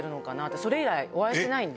それ以来、お会いしてないんで。